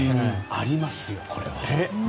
ありますよ、これは。